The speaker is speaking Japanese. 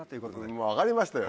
もう分かりましたよ。